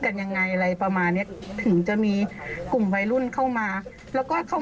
กันยังไงอะไรประมาณเนี้ยถึงจะมีกลุ่มวัยรุ่นเข้ามาแล้วก็ให้เขา